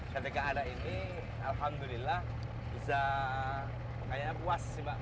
ketika ada ini alhamdulillah bisa kayaknya puas sih mbak